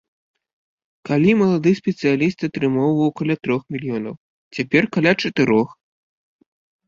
Калі малады спецыяліст атрымоўваў каля трох мільёнаў, цяпер каля чатырох.